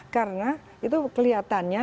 karena itu kelihatannya